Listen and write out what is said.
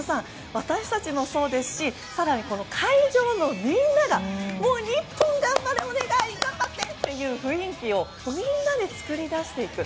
私たちもそうですし更に会場のみんなが日本頑張れ頑張って！っていう雰囲気をみんなで作り出していく。